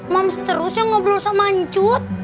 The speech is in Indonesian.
mam seterusnya ngobrol sama lancut